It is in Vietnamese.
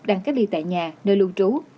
đang cách ly tại nhà nơi lưu trú